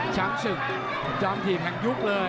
ชั้นศึกจอมทีมแห่งยุคเลย